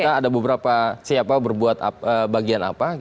kita ada beberapa siapa berbuat bagian apa